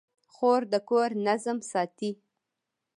خور د کور نظم ساتي.